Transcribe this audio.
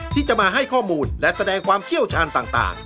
ที่จะมาให้ข้อมูลและแสดงความเชี่ยวชาญต่าง